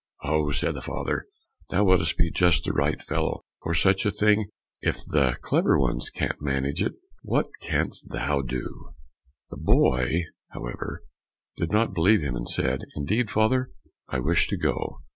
"Oh!" said the father, "thou wouldst be just the right fellow for such a thing! If the clever ones can't manage it, what canst thou do?" The boy, however, did not believe him, and said, "Indeed, father, I wish to go."